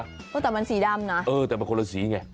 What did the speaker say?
แต่มันสีดำนะเออแต่มันคนละสีไง